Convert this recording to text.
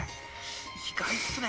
意外っすね」。